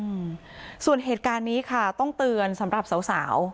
อืมส่วนเหตุการณ์นี้ค่ะต้องเตือนสำหรับสาวสาว